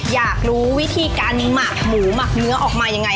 อยากรู้วิธีการหมักหมูหมักเนื้อออกมายังไง